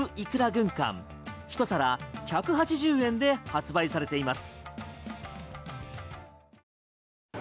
軍艦１皿１８０円で発売されています。